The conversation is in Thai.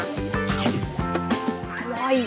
อร่อย